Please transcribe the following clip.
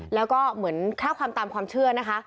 แล้วก็เหมือนข้อความตามความเชื่อนะคะ